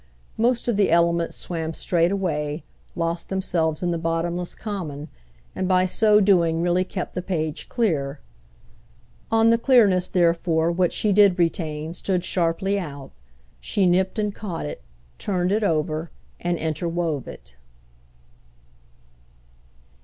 Most of the elements swam straight away, lost themselves in the bottomless common, and by so doing really kept the page clear. On the clearness therefore what she did retain stood sharply out; she nipped and caught it, turned it over and interwove it.